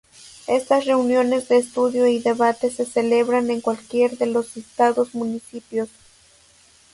Estas reuniones de estudio y debate se celebran en cualquiera de los citados municipios.